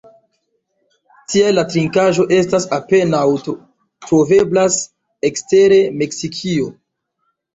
Tial la trinkaĵo estas apenaŭ troveblas ekster Meksikio.